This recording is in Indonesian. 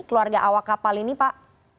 keluarga awak kapal ini pak